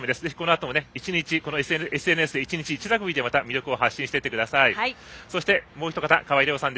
ぜひこのあともＳＮＳで１日１ラグビーでまた魅力を発信していってください。